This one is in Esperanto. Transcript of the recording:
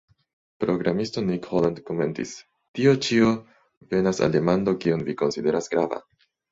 Programisto Nick Holland komentis: "Tio ĉio venas al demando kion vi konsideras grava.".